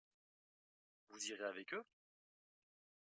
Vous irez avec eux ?